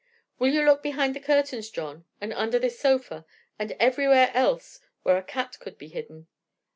"Will you look behind the curtains, John, and under this sofa, and everywhere else where even a cat could be hidden?